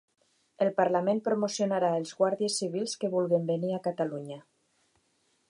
El parlament promocionarà els Guàrdies Civils que vulguin venir a Catalunya